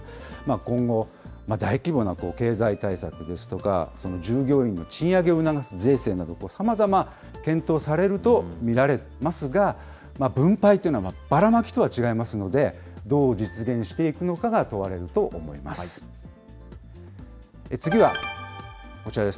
今後、大規模な経済対策ですとか、従業員の賃上げを促す税制など、さまざま検討されると見られますが、分配というのは、ばらまきとは違いますので、どう実現していくのかが問われると思います。